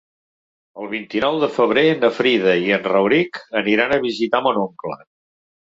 El vint-i-nou de febrer na Frida i en Rauric aniran a visitar mon oncle.